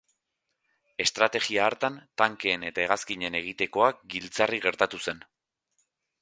Estrategia hartan, tankeen eta hegazkinen egitekoa giltzarri gertatu zen.